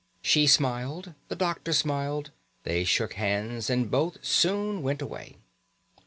She smiled, the doctor smiled, they shook hands and both soon went away.